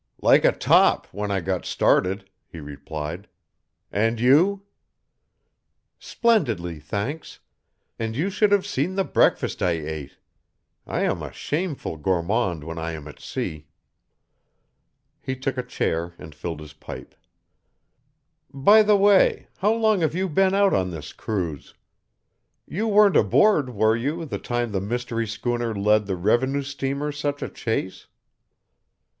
"Like a top, when I got started," he replied. "And you?" "Splendidly, thanks. And you should have seen the breakfast I ate. I am a shameful gourmand when I am at sea." He took a chair and filled his pipe. "By the way, how long have you been out on this cruise? You weren't aboard, were you, the time the mystery schooner led the revenue steamer such a chase?"